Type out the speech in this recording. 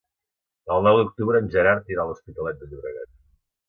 El nou d'octubre en Gerard irà a l'Hospitalet de Llobregat.